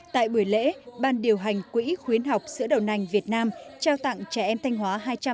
tại buổi lễ ban điều hành quỹ khuyến học sữa đậu nành việt nam trao tặng trẻ em thanh hóa